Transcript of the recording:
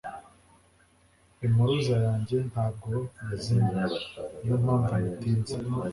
Impuruza yanjye ntabwo yazimye. Niyo mpamvu natinze